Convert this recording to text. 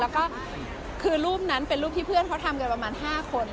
แล้วก็คือรูปนั้นเป็นรูปที่เพื่อนเขาทำกันประมาณ๕คน